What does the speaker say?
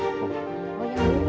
ada ekornya pak